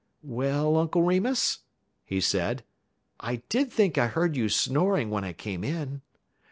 "Well, Uncle Remus," he said, "I did think I heard you snoring when I came in."